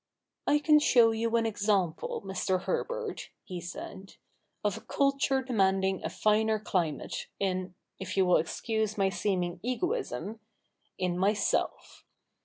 ' I can show you an example, Mr. Herbert,' he said, ' of culture demanding a finer climate, in — if you will excuse my seeming egoism — in myself.